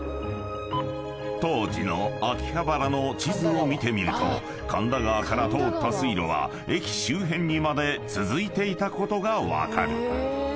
［当時の秋葉原の地図を見てみると神田川から通った水路は駅周辺にまで続いていたことが分かる］